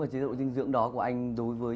chế độ dinh dưỡng đó của anh đối với